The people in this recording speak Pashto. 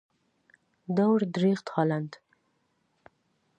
دور درېخت هالنډ.